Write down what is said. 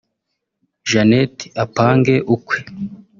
Janet apange ukwe